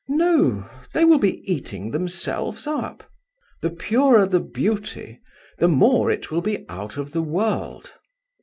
"No: they will be eating themselves up." "The purer the beauty, the more it will be out of the world."